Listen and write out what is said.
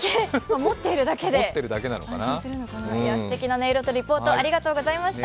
持っているだけで、すてきな音色とリポート、ありがとうございました。